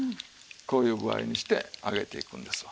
こういう具合にして揚げていくんですわ。